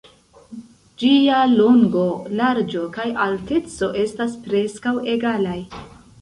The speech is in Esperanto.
Ĝia longo, larĝo kaj alteco estas preskaŭ egalaj.